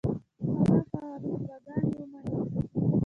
خلک هغه فتواګانې ومني.